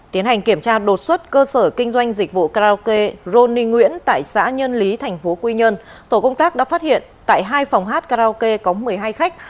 tiến hành kiểm tra đột xuất cơ sở kinh doanh dịch vụ karaoke roning nguyễn tại xã nhân lý tp quy nhơn tổ công tác đã phát hiện tại hai phòng hát karaoke có một mươi hai khách